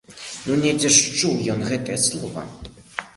Ну недзе ж чуў ён гэтае слова!